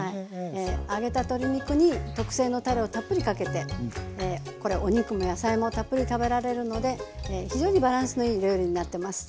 揚げた鶏肉に特製のたれをたっぷりかけてこれお肉も野菜もたっぷり食べられるので非常にバランスのいいお料理になってます。